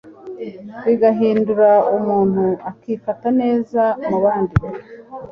bigahindura umuntu akifata neza mubandi